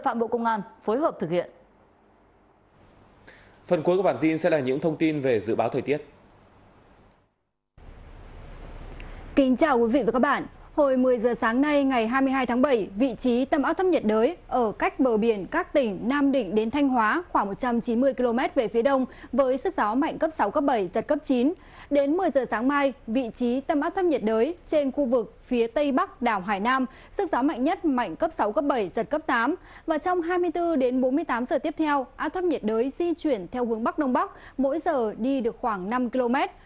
và trong hai mươi bốn đến bốn mươi tám giờ tiếp theo áp thấp nhiệt đới di chuyển theo hướng bắc đông bắc mỗi giờ đi được khoảng năm km